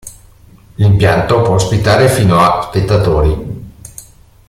L'impianto può ospitare fino a spettatori.